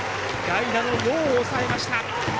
代打の陽を抑えました。